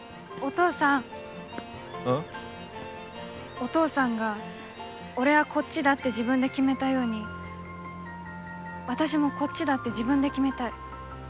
お父さんが俺はこっちだって自分で決めたように私もこっちだって自分で決めたい。